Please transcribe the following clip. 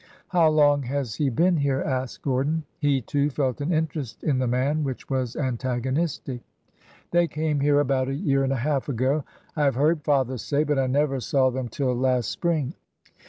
How long has he been here ?" asked Gordon. He, too, felt an interest in the man which was antagonistic. IN THE SCHOOL HOUSE 59 " They came here about a year and a half ago, I have heard father say, but I never saw them till last spring.